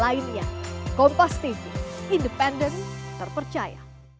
bapak bapak jokowi dari banyuwangi